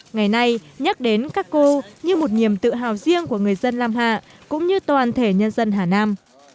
ngày nay nhắc đến các cô như một niềm tự hào riêng của người dân lam hạ cũng như toàn thể nhân dân hà nam